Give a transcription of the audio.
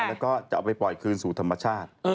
แล้วก็จะเอาไปปล่อยคืนสู่ธรรมชาติ